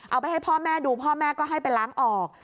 เอาไปให้พ่อแม่ดูพ่อแม่ก็ให้ไปล้างออก